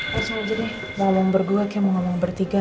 langsung aja deh ngomong berdua kayak mau ngomong bertiga